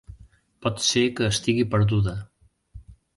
Pot ser que estigui perduda.